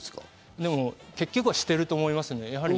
でも結局はしてると思います。